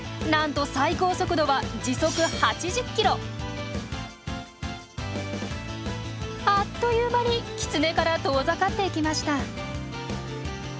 なんと最高速度はあっという間にキツネから遠ざかっていきました。